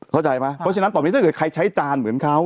เข้าใจไหมเพราะฉะนั้นตอนนี้ถ้าเกิดใครใช้จานเหมือนเขา